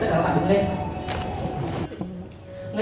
ở đâu có năng lượng ở đấy có gì